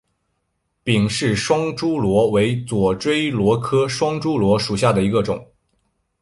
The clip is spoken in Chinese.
芮氏双珠螺为左锥螺科双珠螺属下的一个种。